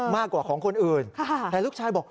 มากกว่าของคนอื่นแต่ลูกชายบอก